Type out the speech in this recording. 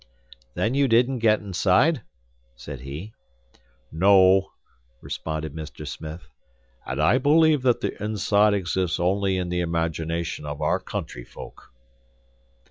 "Then you didn't get inside?" said he. "No," responded Mr. Smith, "and I believe that the inside exists only in the imagination of our country folk."